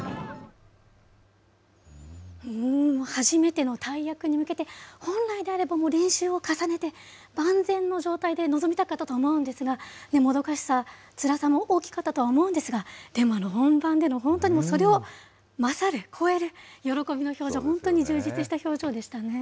初めての大役に向けて、本来であれば、練習を重ねて万全の状態で臨みたかったと思うんですが、もどかしさ、つらさも大きかったと思うんですが、でもあの本番での、本当にそれを勝る、こえる、喜びの表情、本当に充実した表情でしたね。